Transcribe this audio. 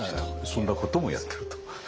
そんなこともやってると。